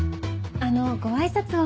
あのご挨拶を。